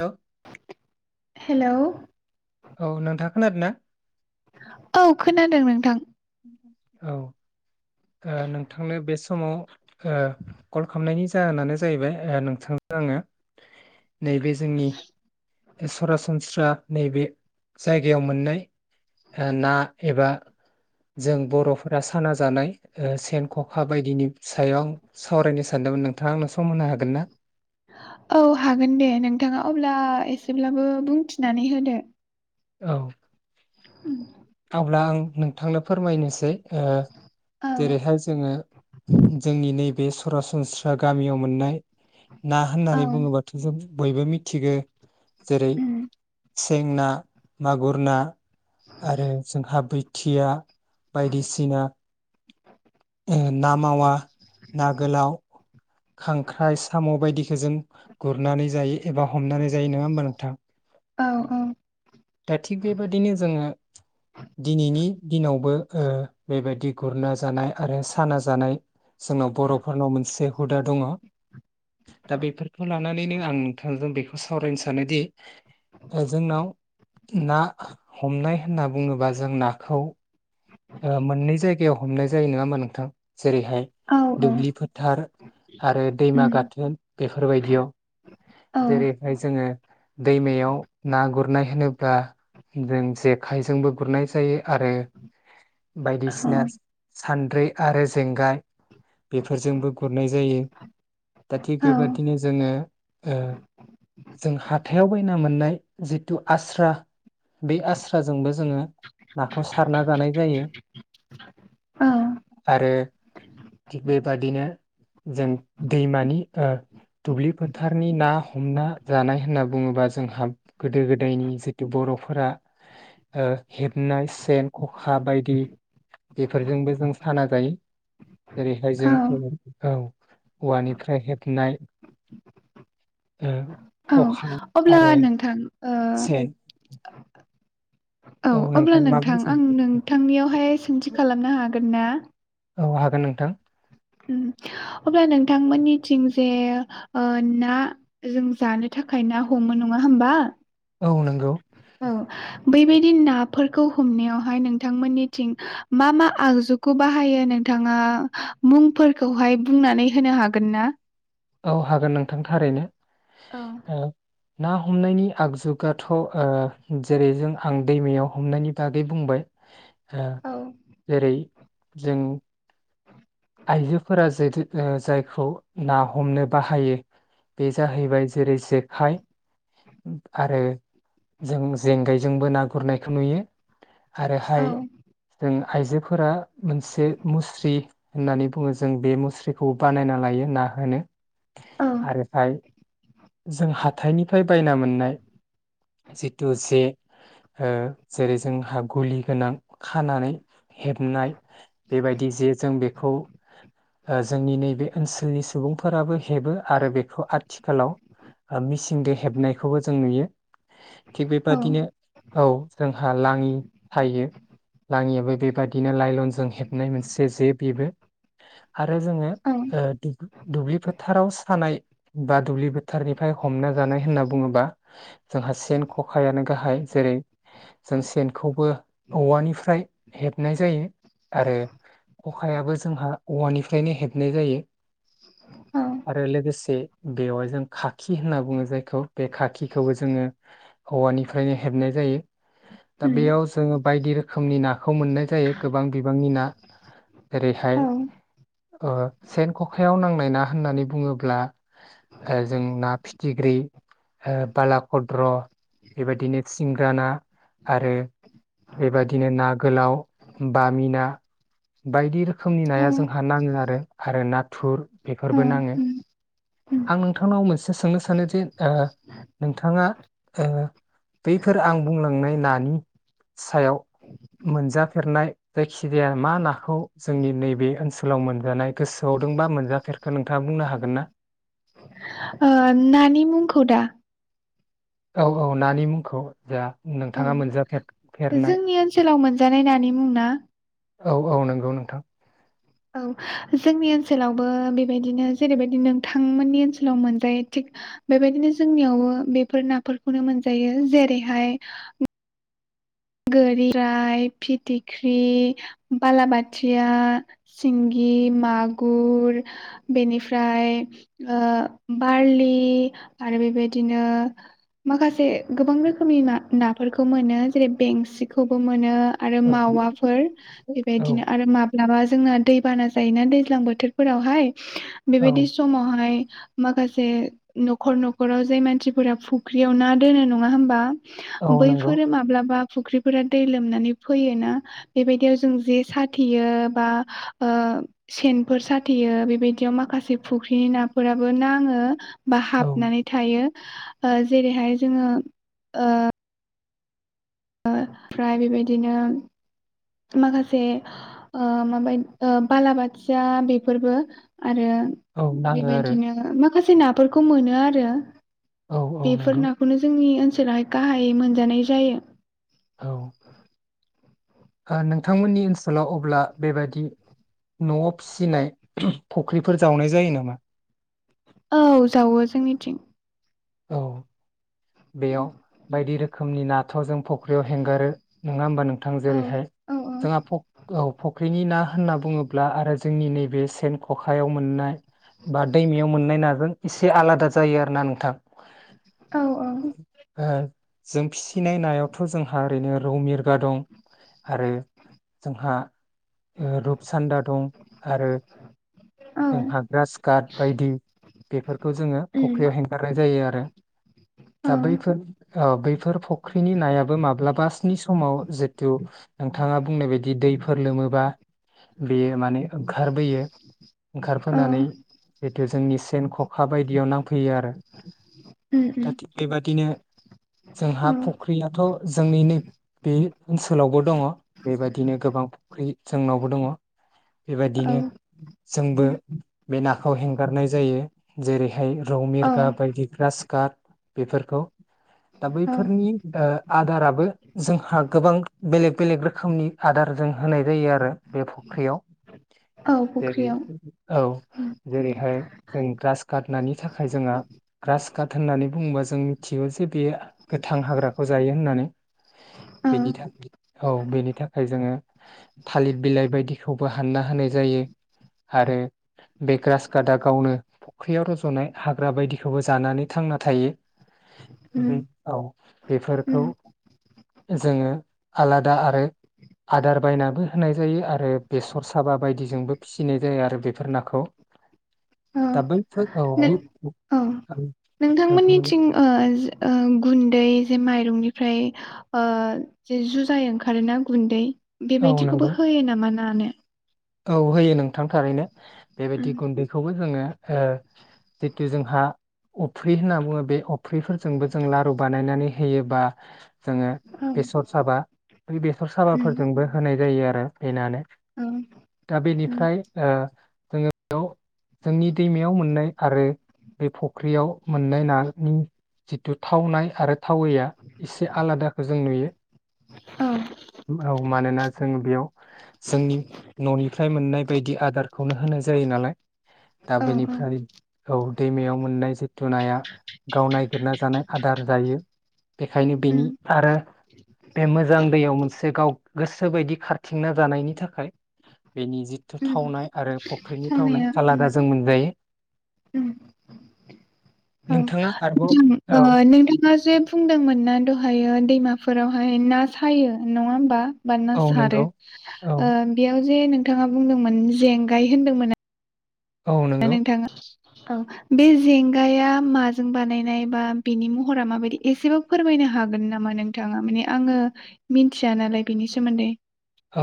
Hello hello औ नोंथां खोनादों ना औ खोनादों नोंथां औ ओ नोंथांनो बे समाव ओ कल खालामनायनि जाहोनानो जाहैबाय ओ नोंथां आङो नैबे जोंनि सरासनस्रा नैबे जायगायाव मोननाय ना एबा जों बर'फोरा साना जानाय ओ सेन ख'खा बायदिनि सायाव आं सावरायनो सानदोंमोन नोंथाङा आंनो सम होनो हागोन ना औ हागोन दे नोंथाङा अब्ला एसेब्लाबो बुंथिनानै होदो औ उम अब्ला आं नोंथांनो फोरमायनोसै ओ औ जेरैहाय जोङो जोंनि नैबे सरासनस्रा गामियाव मोननाय ना औ होननानै बुङोबाथ' जों बयबो मिथिगौ जेरै उम सें ना मागुर ना आरो जोंहाबै थिया बायदिसिना ना मावा ना गोलाव खांख्राइ साम' बायदिखौ जों गुरनानै जायो । एबा हमनानै जायो नङा होमबा नोंथां औ दा थिग बेबादिनो जोङो दिनैनि दिनावबो ओ बेबायदि गुरना जानाय आरो साना जानाय जोंनाव बर'फोरनाव मोनसे हुदा दङ' दा बेफोरखौ लानानैनो आं नोंथांजों बेखौ सावरायनो सानोदि जोंनाव ना हमनाय होनना बुङोब्ला जों नाखौ ओ मोननै जायगायाव हमनाय जायो नङा होमबा नोंथां? जेरैहाय औ औ दुब्लि फोथार आरो दैमा उम गाथोन बेफोरबायदियाव औ जेरैहाय जोङो दैमायाव ना गुरनाय होनोब्ला जों जेखाइजोंबो गुरनाय जायो आरो बायदिसिना सानद्रि आरो जेंगाय बेफोरजोंबो गुरनाय जायो । दा थिग औ बेबादिनो जोङो ओ जों हाथायाव बायना मोननाय जिथु आस्रा बे आस्राजोंबो जोङो नाखौ सारनानै बानाय जायो। औ आरो थिग बेबादिनो जों दैमानि ओ दुब्लि फोथारनि ना हमना जानाय होनना बुङोबा जोंहा गोदो गोदायनि जितु बर'फोरा ओ हेबनाय सेन ख'खा बायदि बेफोरजोंबो जों साना जायो जेरैहाय औ जों औ औवानिफ्राय हेबनाय औ ओ खखा अब्ला आरो नोंथां ओ सेन औ अब्ला नोंथां आं नोंथांनियावहाय सोंथि खालामनो हागोन ना? औ हागोन नोंथां। उम अब्ला नोंथांमोननिथिं जे ना जों जानो थाखाय ना हमो नङा होमबा? औ नंगौ। बेबायदि नाफोरखौ हमनायावहाय नोंथांमोननिथिं मा मा आगजुखौ बाहायो नोंथाङा मुंफोरखौहाय बुंनानै होनो हागोन ना? औ हागोन नोंथां थारैनो। औ। ओ ना हमनायनि आगजुगाथ' ओ जेरै जों आं दैमायाव हमनायनि बागै बुंबाय ओ जेरै जों आइजोफोरा जे जायखौ ना हमनो बाहायो बे जाहैबाय जेरै जेखाइ आरो जों जेंगायजोंबो ना गुरनायखौ नुयो । आरोहाय जों आइजोफोरा मोनसे मुस्रि होननानै बुङो जों बे मुस्रिखौ बानायना लायो ना होनो आरो फाय जों हाथाइनि फाय बायना मोननाय जितु जे ओ जेरै जोंहा गलि गोनां खानानै हेबनाय बेबायदि जेतुजों बेखौ ओ जोंनि नैबे ओनसोलनि सुबुंफोराबो हेबो आरो बेखौ आथिखालाव ओ मिसिंजों हेबनायखौबो जों नुयो । थिग बेबादिनो औ जोंहा लाङि थायो लाङियाबो बेबादिनो लाइलनजों हेबनाय मोनसे जे बेबो आरो जोङो ओ दु दुब्लि फोथाराव सानाय बा दुब्लि बोथोरनिफाय हमना जानाय होनना बुङोबा जोंहा सेन खखायानो गाहाय जेरै जों सेनखौबो औवानिफ्राय हेबनाय जायो आरो खखायाबो जोंहा औवानिफ्रायनो हेबनाय जायो आरो लोगोसे बेवहाय जों खाखि होनना बुङो जायखौ बे खाखिखौबो जोङो औवानिफ्रायनो हेबनाय जायो दा बेयाव जोङो बायदि रोखोमनि नाखौ मोननाय जायो गोबां बिबांनि ना जेरैहाय ओ सेन खखायाव नांनाय ना होननानै बुङोब्ला जों ना फिथिग्रि हो बाला खद्र बेबायदिनो सिंग्रा ना आरो बेबायदिनो ना गोलाव बामि ना बायदि रो खोमनि नाया जोंहा नाङो आरो आरो नाथुर बेफोरबो नाङो आं नोंथांनाव मोनसे सोंनो सानो जे ओ नों थाङा ओ बैफोर आं बुंलांनाय नानि सायाव मोनजाफेरनाय जायखिजाया मा नाखौ जोंनि नैबे ओनसोलाव मोनजानाय गोसोआव दंबा मोनजाफेरखो नोंथाङा बुंनो हागोन ना? ओ नानि मुंखौ दा औ औ नानि मुंखौ जा नोंथाङा मोनजा ओ जोंनि ओनसोलाव मोन जानाय नानि मुं ना औ औ नंगौ नोंथां औ हा जोंनि ओनसोलावबो बेबायदिनो जेरैबायदि नोंथांमोननि ओनसोलाव मोनजायो थिग हा बेबायदिनो जोंनियावबो बेफोर नाफोरखौनो मोनजायो हा जेरैहाय गोरिराय फिथिख्रि हा बालाबाथिया सिंगि मागुर हो बेनिफ्राय ओ बारलि हो आरो बेबायदिनो माखासे गोबां रोखोमनि ना नाफोरखौ मोनो आरो बेंसिखौबो मोनो आरो औ मावाफोर औ बेबायदिनो आरो माब्लाबा। जोंना दैबाना जायोना दैज्लां बोथोरफोरावहाय। [unintelligible] बेबायदि औ समावहाय। हा माखासे न'खर न'खराव जाय मानसिफोरा फुख्रियाव ना दोनो नङा होमबा। [unintelligible] औ नंगौ बैफोरो माब्लाबा। फुख्रिफोरा दै लोमनानै फैयो ना ह बेबायदियाव जों जे साथेयो बा ह ओ सेनफोर साथेयो बेबायदियाव माखासे फुख्रिनि नाफोराबो नाङो। बा औ हाबनानै थायो। ह ओ जेरैहाय जोङो ओ। ओ फ्राय बेबायदिनो माखासे माबाय बालाबाथिया बेफोरबो। आरो औ नाङो आरो बेबायदिनो मा खासे नाफोरखौ मोनो आरो। औ औ बेफोर नंगौ नाखौनो जोंनि ओन सोलाहाय गाहायै मोनजानाय जायो। औ। ओ नोंथांमोननि ओनसोलाव अब्ला बेबादि न'आव फिसिनाय फुख्रिफोर जावनाय जायो नामा? औ जावो जोंनिथिं। औ। बेयाव बायदि रो खोमनि नाथ' जों फख्रियाव हेंगोरो, नङा होमबा नों थां, औ जेरैहाय, औ जोंहा फख औ फख्रिनि ना होनना बुङोब्ला आरो जोंनि नैबे सेन खखायाव मोननाय बा दैमायाव मोननाय नाजों इसे आलादा जायो आरो ना नोंथां। औ औ। ओ जों फिसिनाय नायावथ' जोंहा ओरैनो रौ मिरगा दं आरो जोंहा ओ रुपसान्दा दं आरो औ जोंहा ग्रासकाट बायदि बेफोरखौ जोङो उम फख्रियाव हेंगार जायो आरो औ दा बैफोर औ बैफोर फख्रिनि नायाबो माब्लाबा स्नि समाव जितु नोंथाङा बुंनाय बायदि दैफोर लोमोबा बेयो माने। ओंखारबोयो, औ ओंखारबोनानै जिथु जोंनि सेन ख खा बायदियाव नांफैयो आ - उम दा उम थिग बेबादिनो जोंहा औ फख्रियाथ' जोंनि नैबे ओनसोलावबो दङ, बेबायादिनो गोबां फख्रि जोंनाव औ बेबादिनो जोंबो उम बे नाखौ हेंगारनाय जायो। जेरैहाय र औ गा बायदि ग्रासकात। बेफोरखौ दा औ बैफोरनि ओ आदाराबो जोंहा गोबां बेलेग बेलेग रोखोमनि आदार जों होनाय जायो आरो। बे फख्रियाव। औ जेरै फुख्रियाव औ जेरैहाय जों ग्रास काट नानि थाखाय जोंहा ग्रास काट होननानै बुङोबा जों मिथिगौ जे बेयो गोथां हाग्राखौ जायो होननानै। औ बेनि था औ बेनि थाखाय जोङो थालिर बिलाइ बायदिखौबो हानना होनाय जायो। आरो बे ग्रास काटआ गावनो फख्रियाव र जनाय हाग्रा बायदि खौबो जानानै थांना थायो। उम बे औ बेफोरखौ उम जोङो आलादा आरो आदार बायनाबो होनाय जायो आरो बेसर साबा बायदिजोंबो फिसिनाय जायो आरो बे बेफोर नाखौ। औ दा बैफोर, नों औ। औ नोंथां नोंथांमोननिथिं ओ ओ गुन्दै जे माइरंनि फ्राय ओ जेे जुजाय ओंखारोना गुन्दै। औ बेबायदिखौबो नंगौ होयो नामा नानो? औ होयो नोंथां थारैनो। बेबायदि उम गुन्दैखौबो जोङो ओ जितु जोंहा अफ्रि होनना बुङो बे अब अफ्रिफोरजोंबो जों लारु बानायनानै, होयोबा, जोङो औ बेसर साबा बे बेसर उम साबाफोरजोंबो होनाय जायो ओ बेनानो, औ दा उम बेनिफ्राय ओ जोङो बेयाव जोंनि दैमायाव मोननाय आरो बे फुख्रियाव मोननाय नानि जितु थावनाय आरो थावैया एसे आलादाखौ जों नुयो औ औ मानोना जों बेयाव जोंनि, न'निफ्राय मोननाय बायदि आदारखौनो होनाय जायो नालाय दा औ बेनिफ्राय औ दैमायाव मोननाय जिथु नाया गाव नागिरना जानाय आदार जायो। बेखायनो बेनि उम आरो बे मोजां दैयाव मोनसे मोनसे गाव गोसो बायदि खारथिंना जानायनि थाखाय, बेनि जिथु उम थावनाय आरो फुख्रिनि थावनाय थांनाया उम आलादा जों मोनजायो, उम औ नोंथाङा आरोबाव औ ओ नोंथाङा जे बुंदोंमोन ना दह ओमफायो दैमाफोरावहाय ना सायो नङा होमबा, बा ना औ नंगौ सारो औ ओ बेयाव, जे नोंथाङा बुंदोंमोन जेंगाय होनदोंमोन, औ दा नंगौ नोंथाङा। औ बे जेंगाया माजों बानायनाय बा बेनि महरा माबायदि एसेब फोरमायनो हागोन नामा नोंथाङा माने आङो मिथिया नालाय बेनि सोमोन्दै।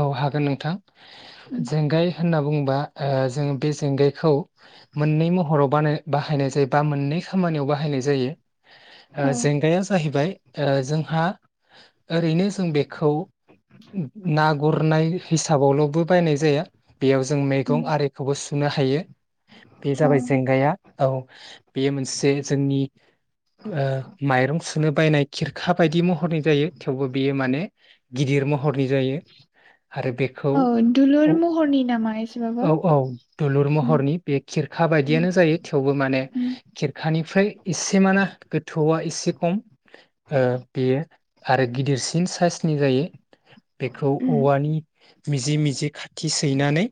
औ हागोन नोंथां उम जेंगाय होनना बुङोबा। ओ जों बे जेंगायखौ। मोननै महराव बा बाहायनाय जायो बा मोननै खामानियाव बाहायनाय जायो। औ ओ जेंगाया जाहैबाय। ओ जोंहा ओरैनो। जों बेखौ। गुरनाय हिसाबाव लबो बायनाय जाया बेयाव जों उम मैगं आरिखौबो सुनो हायो। बे औ जाबाय जेंगाया। औ। बेयो मोनसे जोंनि ओ माइरं। सुनो बायनाय खिरखा बायदि महरनि जायो थेवबो बेयो माने गिदिर महरनि जायो। [unintelligible] आरो बेखौ औ दुलुर औ महरनि नामा एसेबाबो -औ दलुर उम महरनि बे खिरखा उम बायदियानो जायो थेवबो माने उम खिरखानिफ्राय एसे माना गोथौआ एसे खम ओ बेयो। आरो गिदिरसिन साइसनि जायो। बेखौ उम औवानि मिजि- मिजि खाथि सैनानै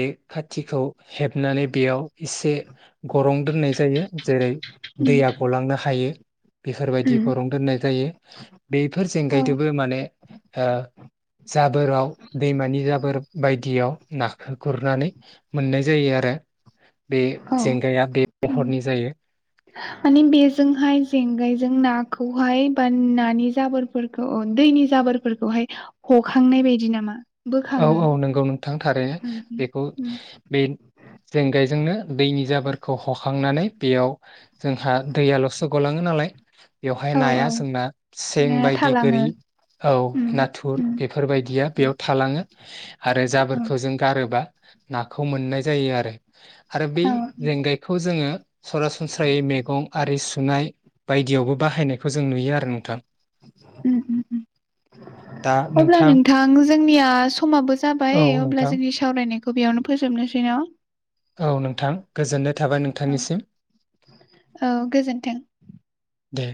बे खाथिखौ हेबनानै बेयाव एसे गरं दोननाय जायो जेरै उम दैया गलांनो हायो। बेफोरबायदि उम गरं दोननाय जायो बेफोर जेंगायदोबो माने ओ जाबोराव दैमानि जाबोर बायदियाव नाखौ गुरनानै मोननाय जायो आरो। आरो बे औ जेंगाया बे महरनि जायो‌। माने बेजोंहाय जेंगायजों नाखौहाय बा नानि जाबोरफोरखौ दैनि जाबोरफोरखौहाय हखांनाय बायदि नामा? औ बोखाङो -औ नंगौ नोंथां थारैनो उम बेखौ उम बे जेंगायजोंनो दैनि जाबोरखौ हखांनानै बेयाव जोंहा दैयाल'सो गलाङो नालाय बेवहाय औ नाया औ जोंना सें ना बायदि गोरि थालाङो औ उम नाथुर उम बेफोरबायदिया बेयाव थालाङो। आरो औ जाबोरफोरखौ जों गारोबा नाखौ मोननाय जायो आरो। आरो बै जेंगायखौ जोङो सरासनस्रायै मैगं आरि सुनाय बायदियावबो बाहायनायखौ जों नुयो आरो। नोंथां उम- उम -उम अब्ला नोंथां जोंनिया समाबो औ जाबाय अब्ला नोंथां जोंनि सावरायनायखौ बेयावनो फोजोबनोसै न? औ नोंथां गोजोननाय थाबाय औ नोंथांनिसिम -औ गोजोनथों। दे